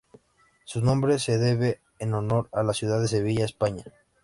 Su nombre se debe en honor a la ciudad de Sevilla, España.